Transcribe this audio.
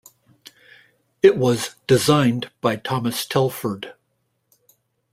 It was designed by Thomas Telford.